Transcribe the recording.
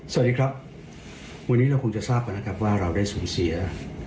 สวัสดีครับวันนี้เราคงจะทราบกันนะครับว่าเราได้สูญเสีย